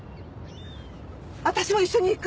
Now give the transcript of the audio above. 私も一緒に行く！